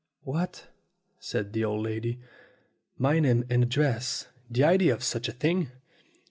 "What?" said the old lady. "My name and ad dress? The idea of such a thing!